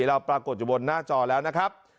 เราปรากฏอยู่บนหน้าจอแล้วนะครับ